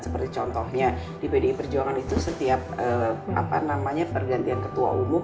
seperti contohnya di pdi perjuangan itu setiap pergantian ketua umum